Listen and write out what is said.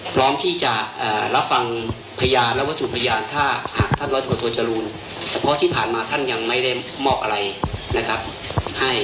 พร้อมที่จะรับฟังพยานและวัตถุพยานถ้าหากท่านร้อยโทจรูนเพราะที่ผ่านมาท่านยังไม่ได้มอบอะไรนะครับให้